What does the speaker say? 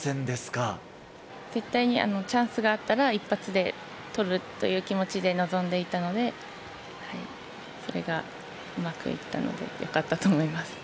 絶対にチャンスがあったら一発で取るという気持ちで臨んでいたのでそれがうまくいったのでよかったと思います。